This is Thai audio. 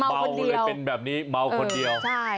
เมาเลยเป็นแบบนี้เมาคนเดียว